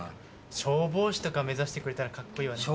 消防士とか目指してくれたらカッコいいわね。